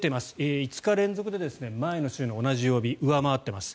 ５日連続で前の週の同じ曜日を上回っています。